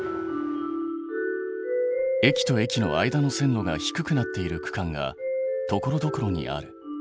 駅と駅の間の線路が低くなっている区間がところどころにある。